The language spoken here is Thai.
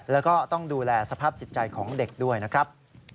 แล้วก็ต้องดูแลสภาพจิตใจของเด็กด้วยนะครับ